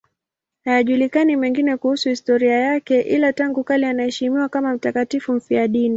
Hayajulikani mengine kuhusu historia yake, ila tangu kale anaheshimiwa kama mtakatifu mfiadini.